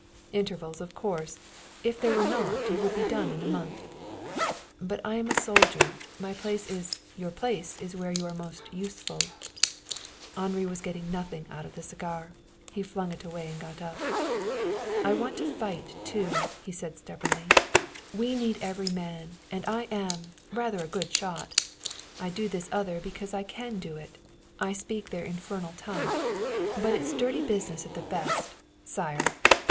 "Intervals, of course. If there were not you would be done in a month." "But I am a soldier. My place is " "Your place is where you are most useful." Henri was getting nothing out of the cigar. He flung it away and got up. "I want to fight too," he said stubbornly. "We need every man, and I am rather a good shot. I do this other because I can do it. I speak their infernal tongue. But it's dirty business at the best, sire."